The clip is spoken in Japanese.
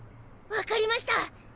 わかりました！